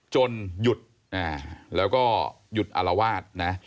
หยุดแล้วก็หยุดอารวาสนะ